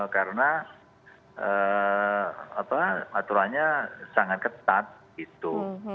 karena aturannya sangat ketat gitu